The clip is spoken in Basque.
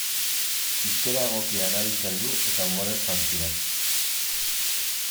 Hizkera egokia erabiltzen du eta umorez jantzia.